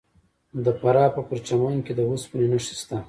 د فراه په پرچمن کې د وسپنې نښې شته.